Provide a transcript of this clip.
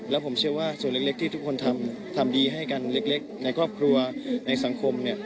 แล้วผมเชื่อว่าส่วนเล็กที่ทุกคนทำดีให้กันเล็กในครอบครัวในสังคม